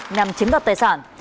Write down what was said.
nằm chiếm đoạt tài sản